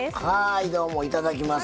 どうも、いただきます。